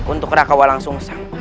untuk prakawal yang susah